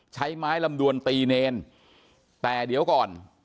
ใช้ไม้ลำดวนตีเนรแต่เดี๋ยวก่อน